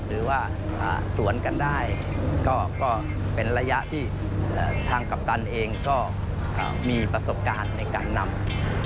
หรือว่าสวนกันได้ก็เป็นระยะที่ทางกัปตันเองก็มีประสบการณ์ในการนำ